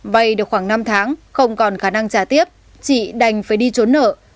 vay được khoảng năm tháng không còn khả năng trả tiếp chị đành phải đi trốn nợ